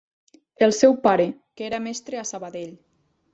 El seu pare, que era mestre a Sabadell.